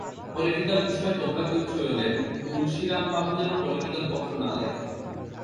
Political বিষয় তোমরা কেউ ছুঁয়ো না, এবং তুলসীরামবাবু যেন পলিটিক্যাল পত্র না লেখে।